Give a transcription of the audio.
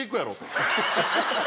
ハハハハ！